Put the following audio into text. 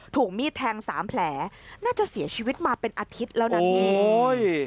ถูกมีดแทงสามแผลน่าจะเสียชีวิตมาเป็นอาทิตย์แล้วนะพี่โอ้ย